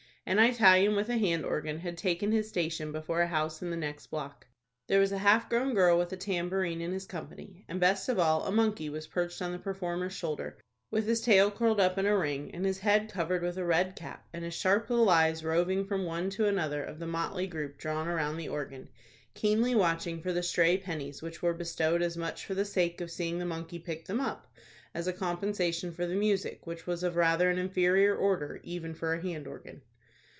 An Italian, with a hand organ, had taken his station before a house in the next block. There was a half grown girl with a tambourine in his company, and, best of all, a monkey was perched on the performer's shoulder, with his tail curled up in a ring, and his head covered with a red cap, and his sharp little eyes roving from one to another of the motley group drawn around the organ, keenly watching for the stray pennies which were bestowed as much for the sake of seeing the monkey pick them up, as a compensation for the music, which was of rather an inferior order, even for a hand organ.